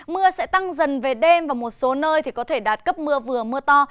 mưa sẽ tăng dần về đêm và một số nơi có thể đạt cấp mưa vừa mưa to